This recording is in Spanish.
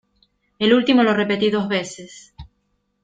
el último lo repetí dos veces: